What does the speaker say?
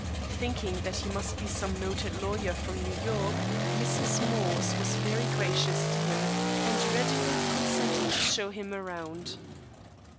Thinking that he must be some noted lawyer from New York, Mrs. Morse was very gracious to him, and readily consented to show him around.